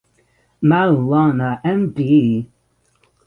Maulana Md.